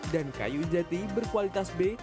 dan kayu jati berkualitas b